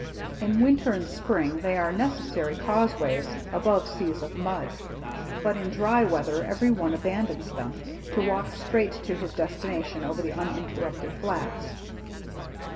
In winter and spring they are necessary causeways above seas of mud, but in dry weather every one abandons them, to walk straight to his destination over the uninterrupted flats.